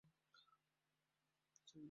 চীন বিশ্বের সর্বাধিক চুন উৎপাদনকারী দেশ।